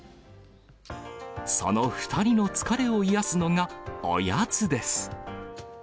その２人の疲れを癒やすのがおやつです。